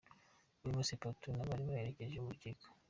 Wema Sepetu n'abari bamuherekeje mu rukiko.